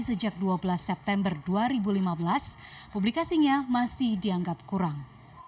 sejak dua belas september dua ribu lima belas publikasinya masih dianggap kurang